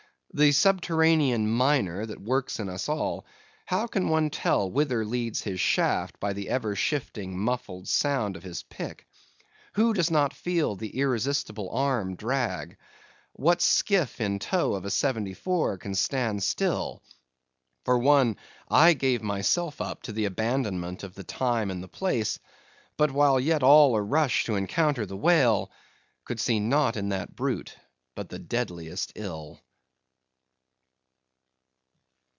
The subterranean miner that works in us all, how can one tell whither leads his shaft by the ever shifting, muffled sound of his pick? Who does not feel the irresistible arm drag? What skiff in tow of a seventy four can stand still? For one, I gave myself up to the abandonment of the time and the place; but while yet all a rush to encounter the whale, could see naught in that brute but the deadliest ill.